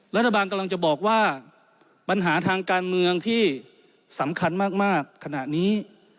รัฐบาลกำลังจะบอกว่าปัญหาทางการเมืองที่สำคัญมากขณะนี้